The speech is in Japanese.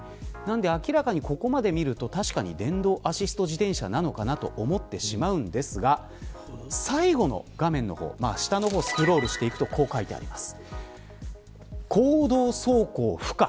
明らかにここまで見ると電動アシスト自転車なのかなと思ってしまうんですが最後の画面の方下の方にスクロールしていくとこう書いてあります。